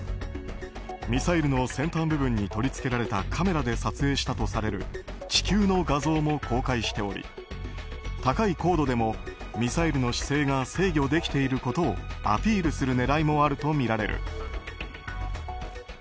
ミサイルの先端部分に取り付けられたカメラで撮影したとされる地球の画像も公開しており高い高度でもミサイルの姿勢が制御できていることをアピールする狙いもあるとみられる。